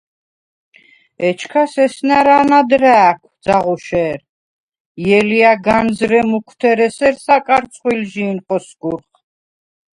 ეჩქას ესნა̈რ ანად რა̄̈ქვ, ძაღუშე̄რ: ჲელია̈ განზრე მუქვთერ ესერ საკარცხვილჟი̄ნ ხოსგურხ.